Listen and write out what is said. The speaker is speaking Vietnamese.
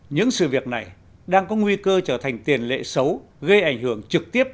những sự việc này đang có nguy cơ trở thành tiền lệ xấu gây ảnh hưởng trực tiếp